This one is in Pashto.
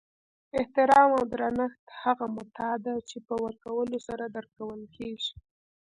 احترام او درنښت هغه متاع ده چی په ورکولو سره درکول کیږي